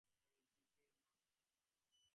এই দিকে লন্সেস্টন?